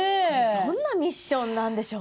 どんなミッションなんでしょうね次は。